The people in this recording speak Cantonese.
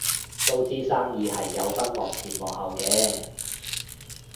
都知生意係有分幕前幕後嘅